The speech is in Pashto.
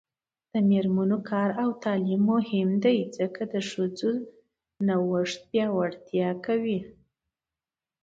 د میرمنو کار او تعلیم مهم دی ځکه چې ښځو نوښت پیاوړتیا کوي.